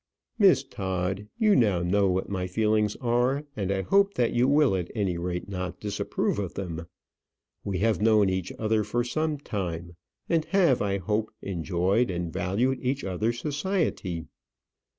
"Miss Todd, you now know what my feelings are, and I hope that you will at any rate not disapprove of them. We have known each other for some time, and have, I hope, enjoyed and valued each other's society."